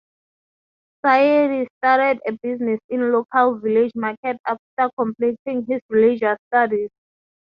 Sayeedi started a business in a local village market after completing his religious studies.